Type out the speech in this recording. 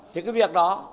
thì cái việc đó